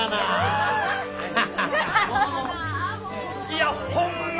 いやホンマ